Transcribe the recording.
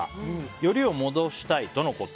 よりを戻したいとのこと。